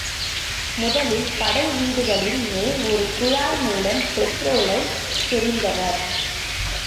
முதலில் படை வீடுகளின் மேல் ஒரு குழாய் மூலம் பெட்ரோலைச் சொரிந்தனர்.